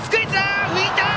浮いた！